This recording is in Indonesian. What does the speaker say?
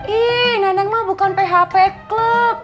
ih nenek mah bukan php club